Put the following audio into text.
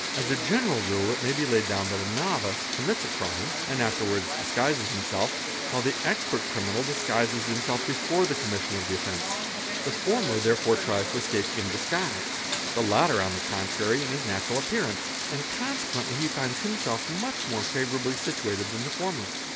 As a general rule it may be laid down that a novice commits a crime and afterwards disguises himself; while the expert criminal disguises himself before the commission of the offence. The former therefore tries to escape in disguise; the latter, on the con trary, in his natural appearance, and consequently he finds himself much more favourably situated than the former.